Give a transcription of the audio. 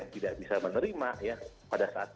tidak bisa menerima ya pada saat